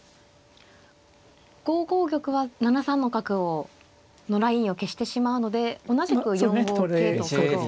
５五玉は７三の角のラインを消してしまうので同じく４五桂と角を。